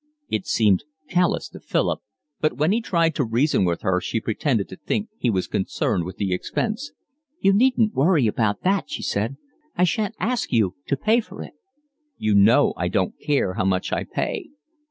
It seemed callous to Philip, but when he tried to reason with her she pretended to think he was concerned with the expense. "You needn't worry about that," she said. "I shan't ask YOU to pay for it." "You know I don't care how much I pay."